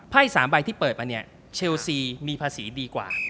๓ใบที่เปิดมาเนี่ยเชลซีมีภาษีดีกว่า